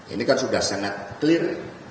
ini kan sudah sangat clear